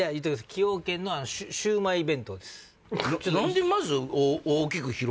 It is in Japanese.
崎陽軒のシウマイ弁当です。